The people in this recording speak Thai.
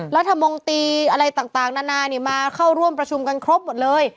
รัฐมนตรีอะไรต่างนานามาเข้าร่วมประชุมกันครบหมดเลย